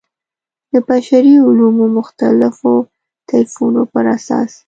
د بشري علومو مختلفو طیفونو پر اساس.